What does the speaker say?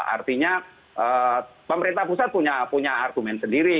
artinya pemerintah pusat punya argumen sendiri